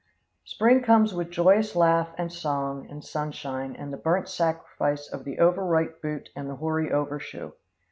Spring comes with joyous laugh, and song, and sunshine, and the burnt sacrifice of the over ripe boot and the hoary overshoe.